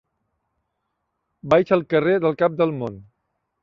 Vaig al carrer del Cap del Món.